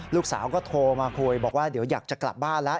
ลูกสาวก็โทรมาคุยบอกว่าเดี๋ยวอยากจะกลับบ้านแล้ว